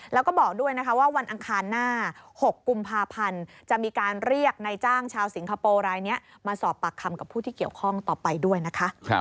แล้วก็บอกด้วยนะคะว่าวันอังคารหน้า๖กุมภาพันธ์จะมีการเรียกนายจ้างชาวสิงคโปร์รายนี้มาสอบปากคำกับผู้ที่เกี่ยวข้องต่อไปด้วยนะคะ